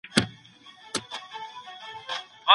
تجربه او مشاهده د کارونو بنسټيزې برخې دي.